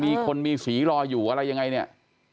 มีคนมีสีรออยู่อะไรยังไงเนี่ย